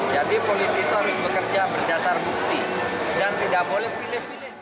jadi polisi itu harus bekerja berdasar bukti dan tidak boleh pilih pilih